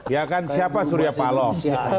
ya kan siapa surya paloh